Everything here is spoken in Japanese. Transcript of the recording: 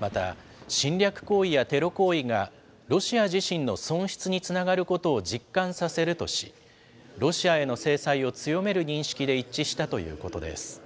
また、侵略行為やテロ行為がロシア自身の損失につながることを実感させるとし、ロシアへの制裁を強める認識で一致したということです。